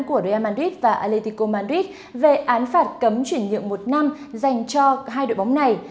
của real madrid và atletico madrid về án phạt cấm chuyển nhượng một năm dành cho hai đội bóng này